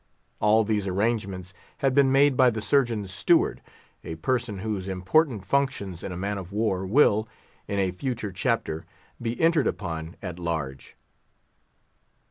All these arrangements had been made by the "Surgeon's steward," a person whose important functions in a man of war will, in a future chapter, be entered upon at large.